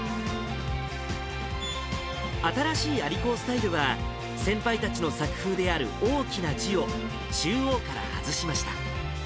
新しい蟻高スタイルは、先輩たちの作風である大きな字を中央から外しました。